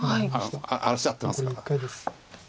荒らしちゃってますから。